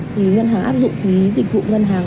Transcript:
thì ngân hàng áp dụng phí dịch vụ ngân hàng